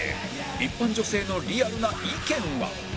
一般女性のリアルな意見は？